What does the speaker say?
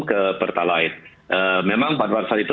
ke pertalite memang pada saat itu